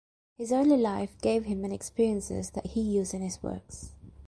His early life gave him many experiences that he used in his works.